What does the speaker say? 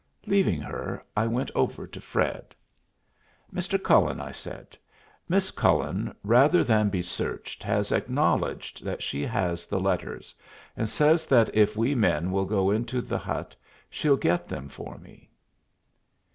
Leaving her, I went over to Fred. "Mr. Cullen," I said, "Miss Cullen, rather than be searched, has acknowledged that she has the letters, and says that if we men will go into the hut she'll get them for me."